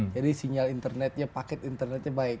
jadi sinyal internetnya paket internetnya baik